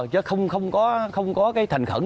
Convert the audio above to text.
chứ không có cái thành khẩn